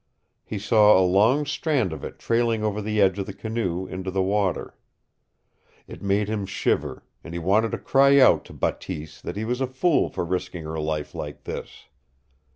He saw a long strand of it trailing over the edge of the canoe into the water. It made him shiver, and he wanted to cry out to Bateese that he was a fool for risking her life like this.